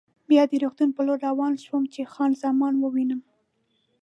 بیا د روغتون په لور روان شوم چې خان زمان ووینم.